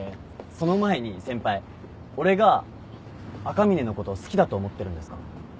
その前に先輩俺が赤嶺のこと好きだと思ってるんですか？